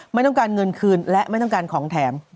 ไม่ต้องการเงินคืนและไม่ต้องการของแถม